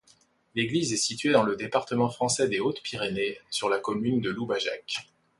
L'église est située dans le département français des Hautes-Pyrénées, sur la commune de Loubajac.